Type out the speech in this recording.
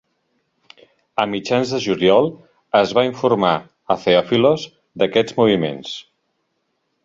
A mitjans de juliol es va informar a Theophilos d'aquests moviments.